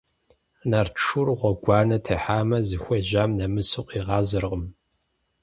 Нарт шур гъуэгуанэ техьамэ, зыхуежьам нэмысу къигъазэркъым.